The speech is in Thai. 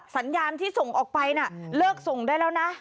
สัญญาณที่ส่งออกไปน่ะเลิกส่งได้แล้วนะ